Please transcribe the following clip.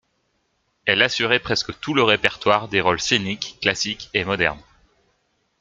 Elle assurait presque tout le répertoire des rôles scéniques classiques et modernes.